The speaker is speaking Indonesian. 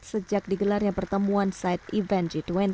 sejak digelarnya pertemuan side event g dua puluh